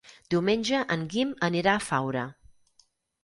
Diumenge en Guim anirà a Faura.